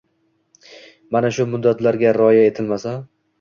mana shu muddatlarga rioya etilmasa